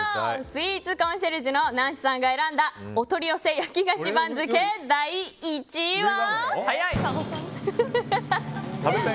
スイーツコンシェルジュのナンシさんが選んだお取り寄せ焼き菓子番付第１位は。